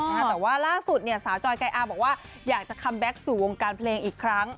แต่ว่าสาวจอยกายอาบอกว่าอยากจะคัมแบ็คสู่วงการเพลงอีกครั้ง